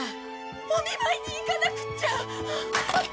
お見舞いに行かなくっちゃ！